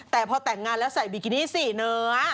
แต่พอแต่งงานแล้วใส่บิกินี่๔เนื้อ